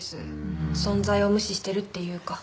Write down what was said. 存在を無視してるっていうか。